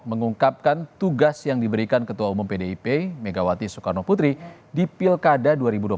mengungkapkan tugas yang diberikan ketua umum pdip megawati soekarno putri di pilkada dua ribu dua puluh